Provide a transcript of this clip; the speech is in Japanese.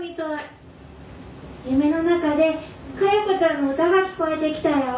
「夢の中で嘉代子ちゃんの歌が聞こえてきたよ。